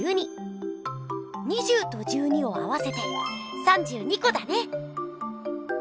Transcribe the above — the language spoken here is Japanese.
２０と１２を合わせて３２こだね！